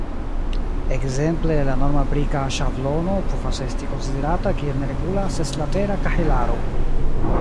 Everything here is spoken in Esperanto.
Ekzemple, la norma brika ŝablono povas esti konsiderata kiel neregula seslatera kahelaro.